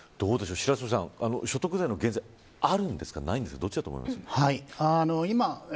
白鳥さん、所得税減税あるんですか、ないんですかどっちだと思いますか。